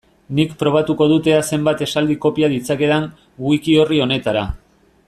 Nik probatuko dut ea zenbat esaldi kopia ditzakedan wiki-orri honetara.